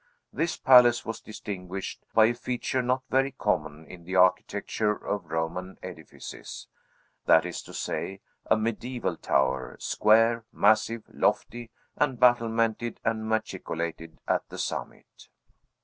This palace was distinguished by a feature not very common in the architecture of Roman edifices; that is to say, a mediaeval tower, square, massive, lofty, and battlemented and machicolated at the summit.